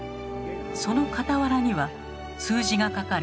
その傍らには数字が書かれ